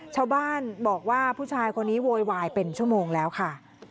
ชาวบ้านบอกว่าผู้ชายคนนี้โวยวายเป็นชั่วโมงแล้วค่ะ